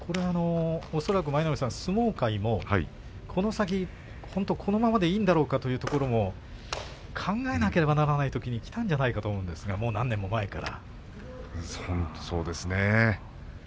恐らく相撲界も、この先本当にこのままでいいんだろうかというところも考えなければならないときにきたんじゃないかと思うんですがもう何年も前から。